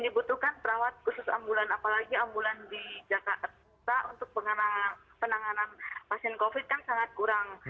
ini butuhkan perawat khusus ambulan apalagi ambulan di jakarta untuk penanganan pasien covid sembilan belas kan sangat kurang